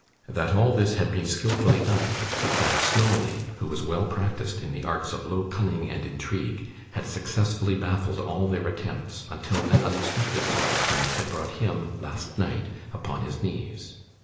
That, all this had been skilfully done; but that Snawley, who was well practised in the arts of low cunning and intrigue, had successfully baffled all their attempts, until an unexpected circumstance had brought him, last night, upon his knees.